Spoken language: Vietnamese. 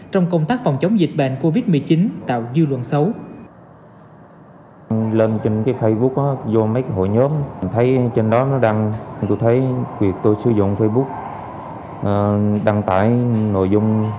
trong công tác phòng chống dịch bệnh covid một mươi chín